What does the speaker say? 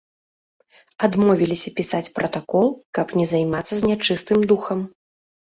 Адмовіліся пісаць пратакол, каб не займацца з нячыстым духам.